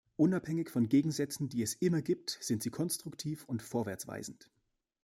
Unabhängig von Gegensätzen, die es immer wieder gibt, sind sie konstruktiv und vorwärts weisend.